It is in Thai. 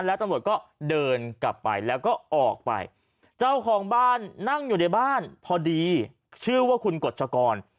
แล้วตำรวจก็เดินกลับไปแล้วก็ออกไปเจ้าของบ้านนั่งอยู่ในบ้านพอดีชื่อว่าคุณกฎชกร